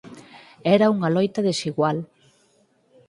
Era unha loita desigual.